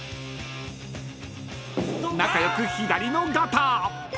［仲良く左のガター］